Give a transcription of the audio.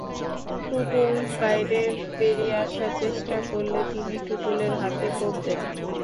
টুটুল বাইরে বেরিয়ে আসার চেষ্টা করলে তিনি টুটুলের হাতে কোপ দেন।